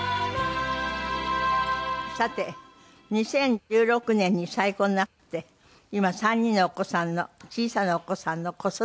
さて２０１６年に再婚なすって今３人のお子さんの小さなお子さんの子育て。